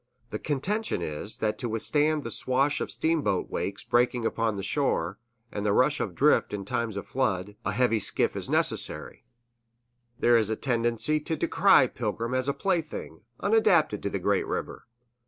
The contention is, that to withstand the swash of steamboat wakes breaking upon the shore, and the rush of drift in times of flood, a heavy skiff is necessary; there is a tendency to decry Pilgrim as a plaything, unadapted to the great river.